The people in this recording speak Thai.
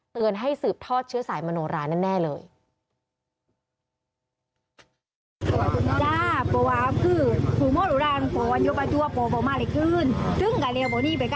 ให้สืบทอดเชื้อสายมโนราแน่เลย